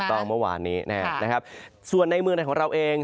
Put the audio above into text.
ถูกต้องเมื่อวานนี้แน่ะนะครับส่วนในเมืองในของเราเอง